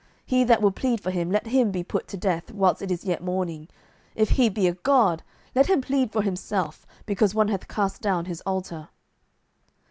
he that will plead for him, let him be put to death whilst it is yet morning: if he be a god, let him plead for himself, because one hath cast down his altar.